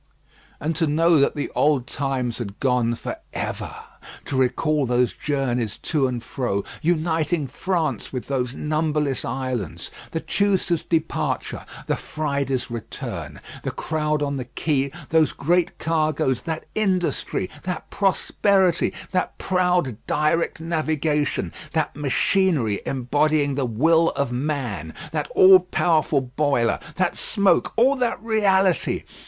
And to know that the old times had gone for ever! To recall those journeys to and fro, uniting France with those numberless islands; the Tuesday's departure, the Friday's return, the crowd on the quay, those great cargoes, that industry, that prosperity, that proud direct navigation, that machinery embodying the will of man, that all powerful boiler, that smoke, all that reality!